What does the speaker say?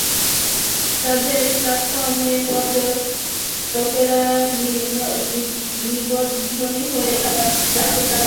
তাঁদের প্ল্যাটফর্মে পর্যটকেরা নিবন্ধিত হয়ে জানাবেন তাঁরা কবে, কোথা থেকে কোথায় যাবেন।